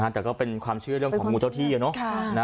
แต่ก็เป็นความเชื่อเรื่องของงูเจ้าที่